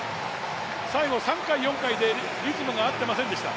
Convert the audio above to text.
最後３回、４回でリズムが合っていませんでした。